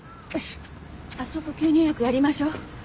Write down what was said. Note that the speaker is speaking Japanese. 早速吸入薬やりましょう。